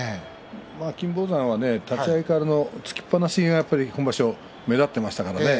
まあ、金峰山はね立ち合いから突きっぱなしが目立っていましたからね。